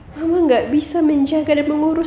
mama gak bisa menjaga dan mengurus